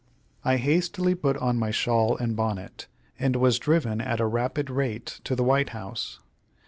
I hastily put on my shawl and bonnet, and was driven at a rapid rate to the White House.